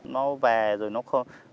nó về rồi nó không